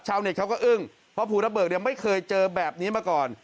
ชาวเน็ตเขาก็อึ้งเพราะภูทับเบิกยังไม่เคยเจอแบบนี้มาก่อน